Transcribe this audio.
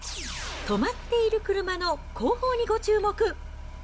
止まっている車の後方にご注目。